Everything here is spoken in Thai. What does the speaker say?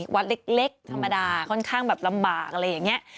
วัดเล็กธรรมดาค่อนข้างแบบลำบากอะไรอย่างนี้